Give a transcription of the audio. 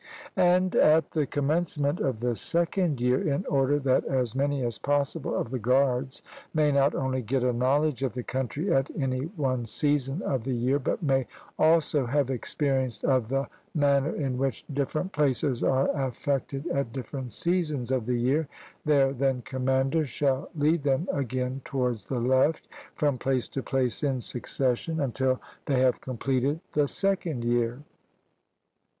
And at the commencement of the second year, in order that as many as possible of the guards may not only get a knowledge of the country at any one season of the year, but may also have experience of the manner in which different places are affected at different seasons of the year, their then commanders shall lead them again towards the left, from place to place in succession, until they have completed the second year.